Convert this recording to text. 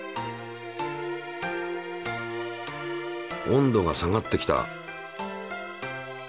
温度が下がってきた。